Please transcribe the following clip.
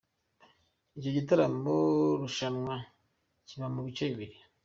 Icyo gitaramo-rushanwa kiba mu bice bibiri.